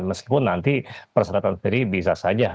meskipun nanti persyaratan peri bisa saja